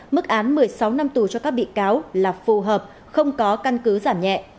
mức án một mươi sáu năm tù cho các bị cáo là phù hợp không có căn cứ giảm nhẹ